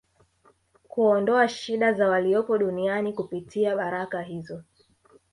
kuondoa shida za waliopo duniani kupitia baraka hizo